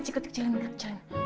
kecilin kecilin kecilin kecilin